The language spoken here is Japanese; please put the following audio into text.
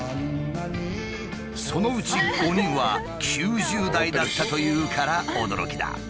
そのうち５人は９０代だったというから驚きだ。